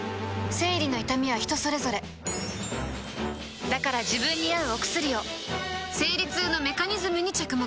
生理の痛みは人それぞれだから自分に合うお薬を生理痛のメカニズムに着目